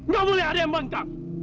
gak boleh ada yang membantang